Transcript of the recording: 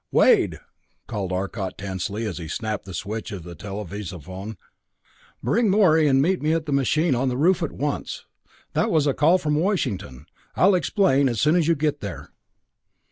"Wade," called Arcot tensely as he snapped the switch of the televisophone, "bring Morey and meet me at the machine on the roof at once. That was a call from Washington. I'll explain as soon as you get there."